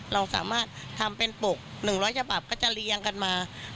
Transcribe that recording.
เราสามารถทำเป็นปก๑๐๐ฉบับก็จะเรียงกันมา